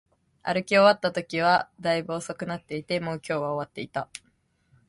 歩き終わったときは、大分遅くなっていて、もう今日は終わっていた